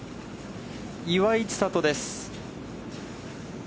岩井千怜です。